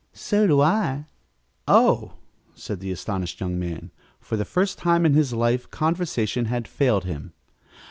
So do I." "Oh!" said the astonished young man. For the first time in his life conversation had failed him.